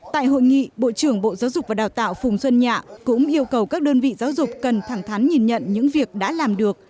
tại hội nghị bộ trưởng bộ giáo dục và đào tạo phùng xuân nhạ cũng yêu cầu các đơn vị giáo dục cần thẳng thắn nhìn nhận những việc đã làm được